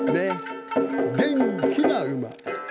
元気な馬。